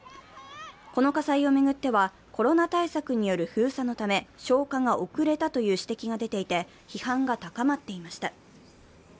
この火災を巡っては、コロナ対策による封鎖のため消火が遅れたという指摘が出ていて、批判が高まっていました。